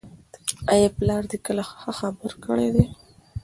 آیا پلار دې کله ښه خبره کړې ده؟